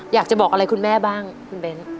อยากจะบอกอะไรคุณแม่บ้างคุณเบ้น